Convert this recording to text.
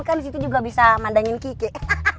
kan disitu juga bisa mandangin kikek